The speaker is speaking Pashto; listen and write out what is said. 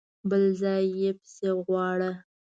بل ځای يې پسې غواړه!